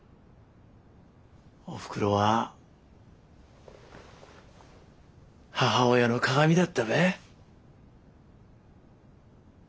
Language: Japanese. おふくろは母親の鑑だったべ。